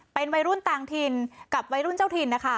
เป็นวัยรุ่นต่างถิ่นกับวัยรุ่นเจ้าถิ่นนะคะ